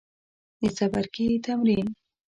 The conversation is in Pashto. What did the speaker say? د څپرکي تمرین